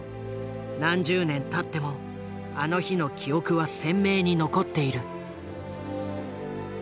何十年たってもあの日の記憶は鮮明に残っている。